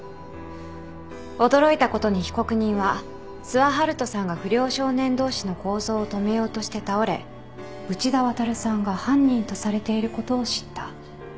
驚いたことに被告人は諏訪遙人さんが不良少年同士の抗争を止めようとして倒れ内田亘さんが犯人とされていることを知った。